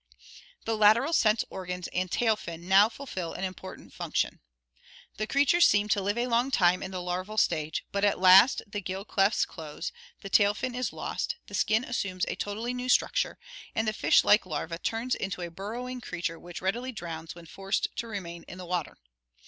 The lateral sense organs and tail fin now fulfill an important function. The creatures seem to live a long time in the larval stage, but at last the gill clefts close, the tail fin is lost, the skin assumes a totally new structure, and the fish like larva turns into a burrowing creature which readily drowns when forced to remain in the water.